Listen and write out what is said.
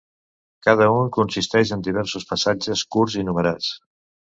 Cada un consisteix en diversos passatges curts i numerats.